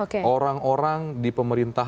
orang orang di pemerintah